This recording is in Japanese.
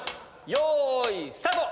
よいスタート！